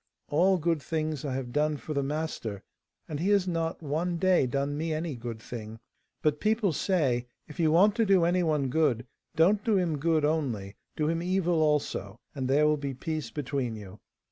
All good things I have done for the master, and he has not one day done me any good thing. But people say, "If you want to do any one good, don't do him good only, do him evil also, and there will be peace between you."